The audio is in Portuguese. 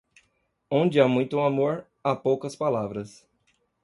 Onde há muito amor, há poucas palavras.